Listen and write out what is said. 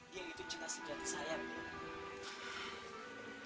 dia itu juga senjata sayang